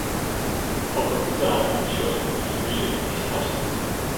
Hokker útdagingen sjochst yn ’e funksje dy’tst hast?